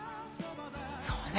そうね。